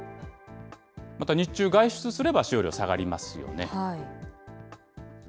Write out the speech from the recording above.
また、日中外出すれば使用量下がりますよね。